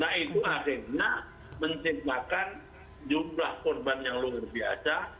nah itu akhirnya menciptakan jumlah korban yang luar biasa